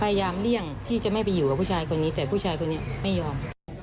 เลี่ยงที่จะไม่ไปอยู่กับผู้ชายคนนี้แต่ผู้ชายคนนี้ไม่ยอม